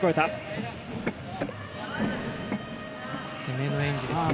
攻めの演技ですね。